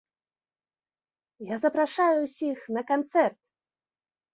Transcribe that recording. Я запрашаю ўсіх на канцэрт.